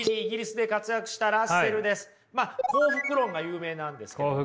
「幸福論」が有名なんですけどね。